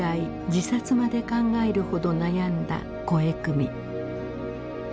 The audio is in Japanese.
自殺まで考えるほど悩んだ肥汲み。